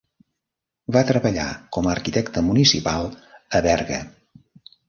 Va treballar com a arquitecte municipal a Berga.